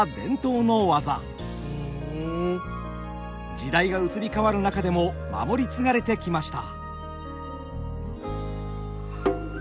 時代が移り変わる中でも守り継がれてきました。